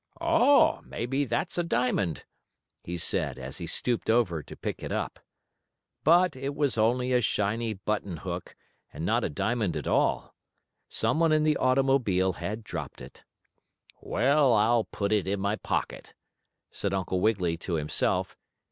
"Oh, maybe that's a diamond," he said, as he stooped over to pick it up. But it was only a shiny button hook, and not a diamond at all. Some one in the automobile had dropped it. "Well, I'll put it in my pocket," said Uncle Wiggily to himself.